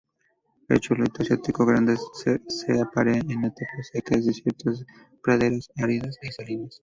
El chorlito asiático grande se aparea en estepas secas, desiertos, praderas áridas y salinas.